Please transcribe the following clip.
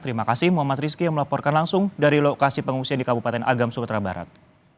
terima kasih muhammad rizky yang melaporkan langsung dari lokasi pengungsian di kabupaten agam sumatera barat